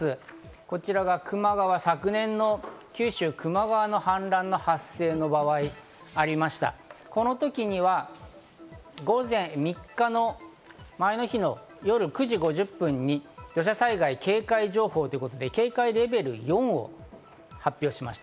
こちらが球磨川、昨年の九州・球磨川の氾濫の発生の場合、この時には３日の夜９時５０分に土砂災害警戒情報ということで、警戒レベル４を発表しました。